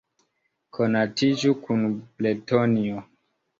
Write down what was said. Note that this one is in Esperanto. Konatiĝu kun Bretonio!